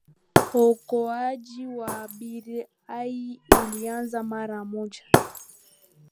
ookoaji wa abiria ulianza mara moja